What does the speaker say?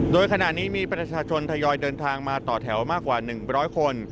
โดยขณะนี้มีประชาชนทยอยเดินทางมาต่อแถวมากกว่า๑๐๐คน